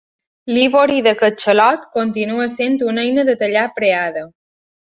L'ivori de catxalot continua sent una eina de tallar preada.